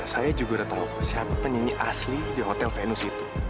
saya juga udah tahu siapa penyanyi asli di hotel venus itu